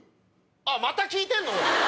また聞いてんの？